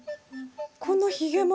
このひげも？